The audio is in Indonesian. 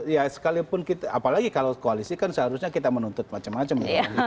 ya sekalipun apalagi kalau koalisi kan seharusnya kita menuntut macam macam ya